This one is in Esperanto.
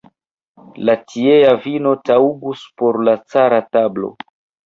La tiea vino taŭgus por la cara tablo.